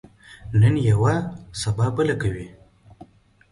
نن یوه، سبا بله کوي.